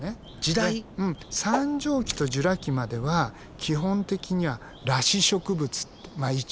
三畳紀とジュラ紀までは基本的には裸子植物ってイチョウとかね